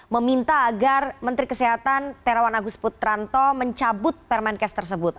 meminta agar menteri kesehatan terawan agus putranto mencabut permenkes tersebut